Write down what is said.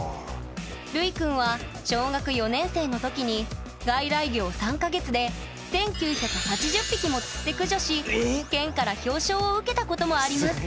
るいくんは小学４年生の時に外来魚を３か月で１，９８０匹も釣って駆除し県から表彰を受けたこともありますすげえ！